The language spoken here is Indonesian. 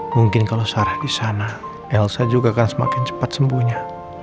mungkin kalau sarah di sana elsa juga akan semakin cepat sembuhnya